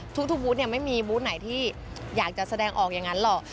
ทุกบูธไม่มีบูธไหนที่อยากจะแสดงออกอย่างนั้นหรอก